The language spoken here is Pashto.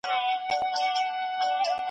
د ډيپلوماسۍ رول په نړيوال سياست کي څه دی؟